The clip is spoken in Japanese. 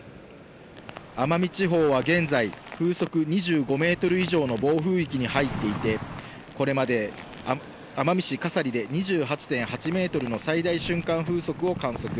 奄美地方は現在、風速２５メートル以上の暴風域に入っていて、これまで奄美市笠利で２８．８メートルの最大瞬間風速を観測。